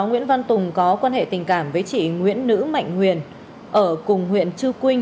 nguyễn văn tùng có quan hệ tình cảm với chị nguyễn nữ mạnh huyền ở cùng huyện chư quynh